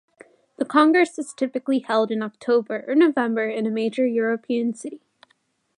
The Congress is typically held in October or November in a major European city.